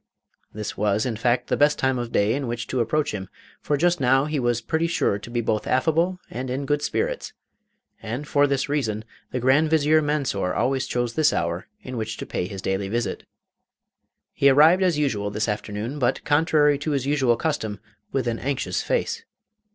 This was, in fact, the best time of day in which to approach him, for just now he was pretty sure to be both affable and in good spirits, and for this reason the Grand Vizier Mansor always chose this hour in which to pay his daily visit. He arrived as usual this afternoon, but, contrary to his usual custom, with an anxious face.